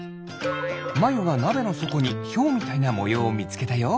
まゆがなべのそこにヒョウみたいなもようをみつけたよ。